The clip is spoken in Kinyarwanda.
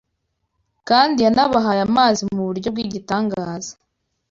Kandi yanabahaye amazi mu buryo bw’igitangaza